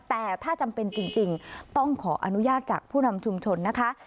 แต่ถ้าจำเป็นจริงต้องขออนุญาตจากผู้นำชุมชนนะคะ